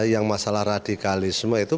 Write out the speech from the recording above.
yang masalah radikalisme itu